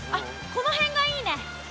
このへんがいいね。